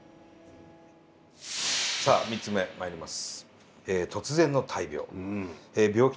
さあ３つ目まいります。